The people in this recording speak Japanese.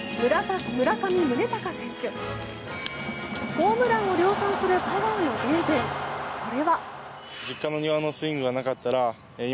ホームランを量産するパワーの原点、それは。